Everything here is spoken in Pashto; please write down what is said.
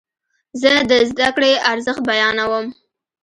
زه د زده کړې ارزښت بیانوم.